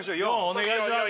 お願いします